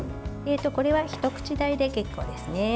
これは一口大で結構ですね。